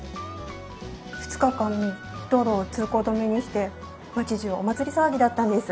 ２日間道路を通行止めにして町じゅうお祭り騒ぎだったんです。